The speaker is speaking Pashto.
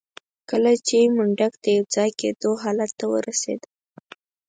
کله چې منډک د يوځای کېدو حالت ته ورسېده.